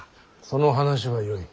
その話はよい。